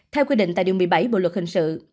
theo quy định tại điều một mươi bảy bộ luật hình sự